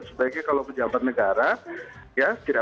sebaiknya kalau pejabat negara ya